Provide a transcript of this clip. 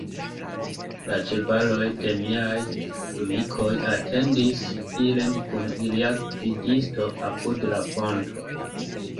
La ĉevaloj de miaj amikoj atendis ilin kun ilia gvidisto apud la fonto.